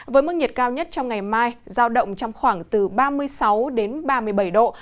với mức nhiệt cao nhất trong ngày mai giao động trong khoảng từ ba mươi sáu đến ba mươi bảy độ